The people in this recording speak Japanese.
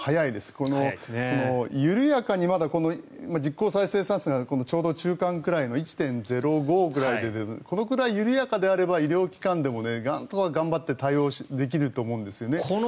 この緩やかにまだ実効再生産数がちょうど中間くらいの１．０５ぐらいのこのくらい緩やかであれば医療機関でもなんとか頑張って対応できると思うんですよね。